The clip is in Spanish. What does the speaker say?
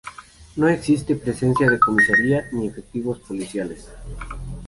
No existe presencia de Comisaria, ni efectivos policiales.